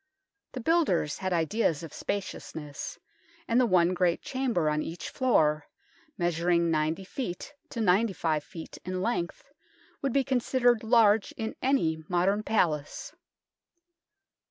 The builders had ideas of spaciousness, and the one great chamber on each floor, measur ing 90 ft. to 95 ft. in length, would be con sidered large in any modern palace.